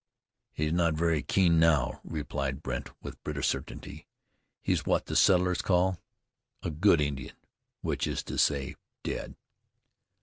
"He's not very keen now," replied Brandt, with bitter certainty. "He's what the settlers call a good Indian, which is to say, dead!"